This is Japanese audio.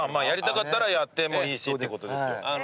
やりたかったらやってもいいしってことですよ。